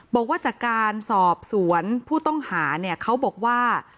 บอกว่าจากการสอบสวนผู้ต้องหาเนี่ยเขาบอกว่า